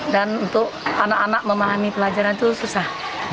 dan untuk anak anak memahami pelajaran itu susah